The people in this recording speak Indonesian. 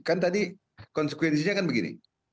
kan tadi konsekuensinya kan begini